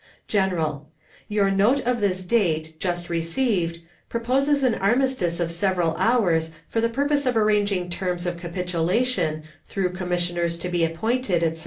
GENERAL Your note of this date, just received, proposes an armistice of several hours for the purpose of arranging terms of capitulation, through commissioners to be appointed, etc.